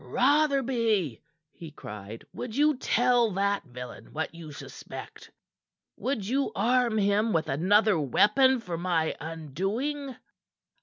"Rotherby?" he cried. "Would you tell that villain what you suspect? Would you arm him with another weapon for my undoing?"